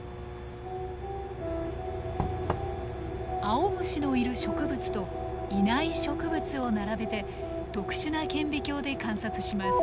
アオムシのいる植物といない植物を並べて特殊な顕微鏡で観察します。